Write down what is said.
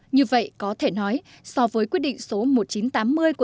như vậy có thể nói so với quyết định số một nghìn chín trăm tám mươi của thủ tướng